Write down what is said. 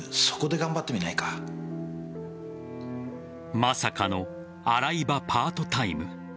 まさかの洗い場パートタイム。